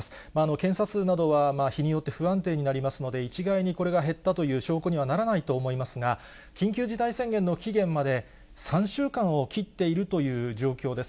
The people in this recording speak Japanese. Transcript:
検査数などは日によって不安定になりますので、一概にこれが減ったという証拠にはならないと思いますが、緊急事態宣言の期限まで、３週間を切っているという状況です。